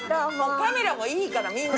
カメラもいいからみんな。